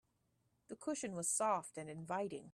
The cushion was soft and inviting.